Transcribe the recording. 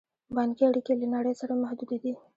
بانکي اړیکې یې له نړۍ سره محدودې دي.